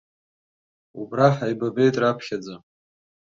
Убра ҳаибабеит раԥхьаӡа.